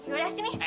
ya udah sini